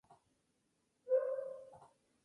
La fruta puede reventar incluso en la estación seca.